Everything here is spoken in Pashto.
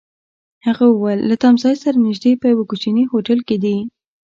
هغه وویل: له تمځای سره نژدې، په یوه کوچني هوټل کي دي.